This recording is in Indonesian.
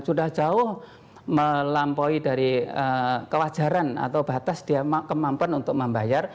sudah jauh melampaui dari kewajaran atau batas dia kemampuan untuk membayar